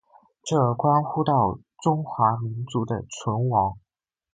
这关乎到中华民族的存亡。